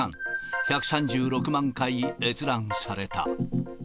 １３６万回閲覧された。